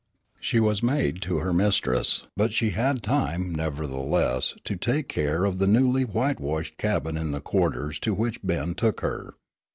She was maid to her mistress, but she had time, nevertheless, to take care of the newly whitewashed cabin in the quarters to which Ben took her.